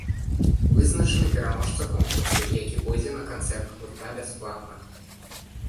Вызначаны пераможца конкурсу, які пойдзе на канцэрт гурта бясплатна.